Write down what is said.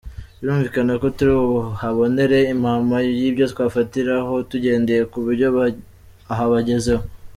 Birumvikana ko turi buhabonere impampa y’ibyo twafatiraho tugendeye ku byo aha bagezeho.